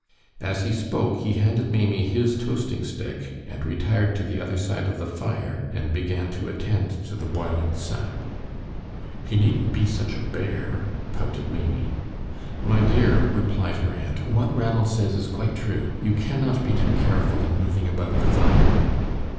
As he spoke he handed Maimie his toasting stick and retired to the other side of the fire, and began to attend to the boiling sap. "He needn't be such a bear," pouted Maimie. "My dear," replied her aunt, "what Ranald says is quite true. You cannot be too careful in moving about the fire."